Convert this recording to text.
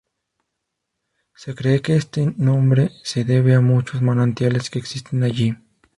Se cree que este nombre se debe a muchos manantiales que existe allí.